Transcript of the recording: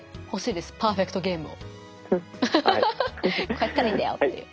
こうやったらいいんだよっていう。